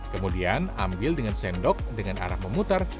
kemudian ambil dengan sendok dengan arah memutar